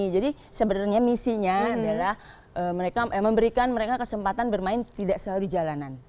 jadi sebenarnya misinya adalah mereka memberikan mereka kesempatan bermain tidak selalu di jalanan